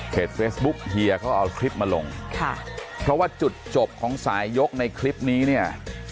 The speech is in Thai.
เพราะว่าจุดจบของสายยกในคลิปนี้อ่ะ